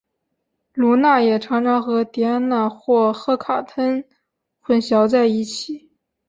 卢娜也常常和狄安娜或赫卡忒混淆在一起。